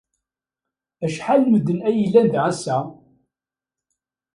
Acḥal n medden ay yellan da ass-a?